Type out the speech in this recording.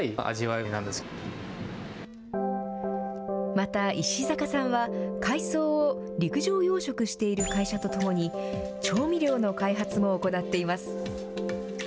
また、石坂さんは、海藻を陸上養殖している会社とともに、調味料の開発も行っています。